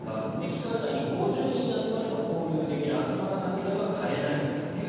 期間内に５０人集まれば購入できる集まらなければ買えないという。